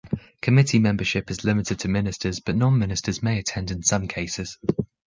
Committee membership is limited to ministers, but non-ministers may attend in some cases.